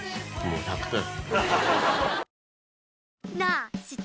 もう１００点！